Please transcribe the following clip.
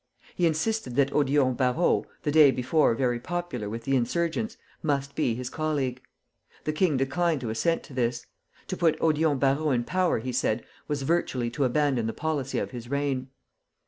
He insisted that Odillon Barrot, the day before very popular with the insurgents, must be his colleague. The king declined to assent to this. To put Odillon Barrot into power, he said, was virtually to abandon the policy of his reign.